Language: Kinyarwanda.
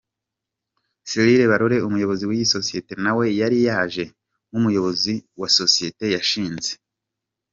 Cyrille Bolloré umuyobozi w’iyi sosiyete nawe yari yaje nk’umuyobozi wa sosiyete yashinze.